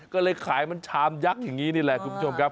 ก็เลยขายมันชามยักษ์อย่างนี้นี่แหละคุณผู้ชมครับ